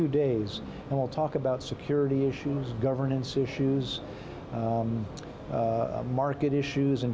dan ini adalah acara yang sangat menarik